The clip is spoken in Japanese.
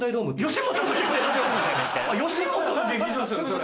吉本の劇場ですよねそれ。